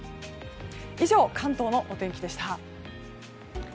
以上、関東のお天気でした。